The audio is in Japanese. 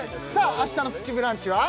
明日の「プチブランチ」は？